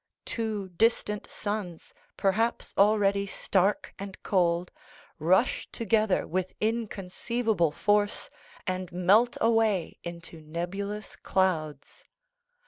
Two distant suns, per haps already stark and cold, rush together with in conceivable force and melt away into nebulous clouds.